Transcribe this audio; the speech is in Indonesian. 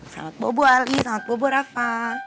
selamat bobo ali selamat bobo rafa